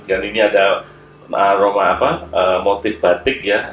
dan ini ada motif batik ya